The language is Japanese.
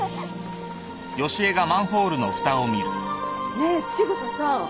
ねえ千草さん。